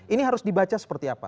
ini harus dibaca seperti apa